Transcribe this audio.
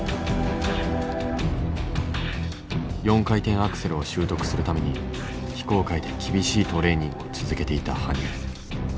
４回転アクセルを習得するために非公開で厳しいトレーニングを続けていた羽生。